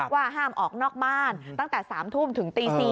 ว่าห้ามออกนอกบ้านตั้งแต่๓ทุ่มถึงตี๔